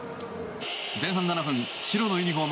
前半７分、白のユニホーム